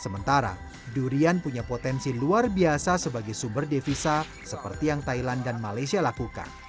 sementara durian punya potensi luar biasa sebagai sumber devisa seperti yang thailand dan malaysia lakukan